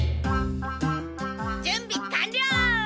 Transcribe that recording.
じゅんびかんりょう！